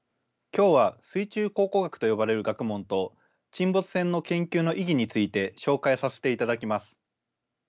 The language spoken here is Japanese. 今日は水中考古学と呼ばれる学問と沈没船の研究の意義について紹介させていただきます。